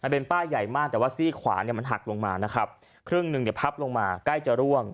เป็นป้ายใหญ่มากแต่ซีขวาหักลงมาครึ่งหนึ่งพักลงมาใกล้จะร่วง